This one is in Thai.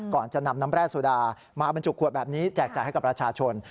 ก่อนจะนำน้ำแร่โซดามาบรรจุขวดแบบนี้แจกจ่ายให้กับประชาชน